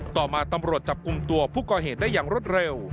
ต่อมาตำรวจจับกลุ่มตัวผู้ก่อเหตุได้อย่างรวดเร็ว